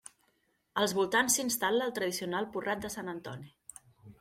Als voltants s'instal·la el tradicional Porrat de Sant Antoni.